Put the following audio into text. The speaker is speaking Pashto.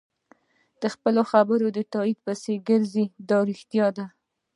د خپلو خبرو تایید پسې ګرځي دا رښتیا دي.